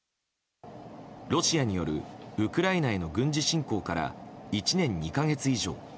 ロシアによるウクライナへの軍事侵攻から１年２か月以上。